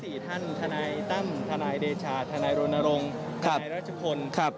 สี่ท่านทนายตั้มทนายเดชาทนายรณรงค์ทนายรัชพลครับ